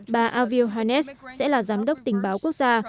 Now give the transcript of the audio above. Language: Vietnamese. bà avil hanets sẽ là giám đốc tình báo quốc gia